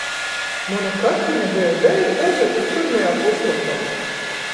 Muna karteņa beja, vei, gazetys pyrmajā puslopā.